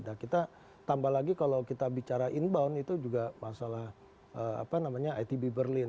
nah kita tambah lagi kalau kita bicara inbound itu juga masalah apa namanya itb berlin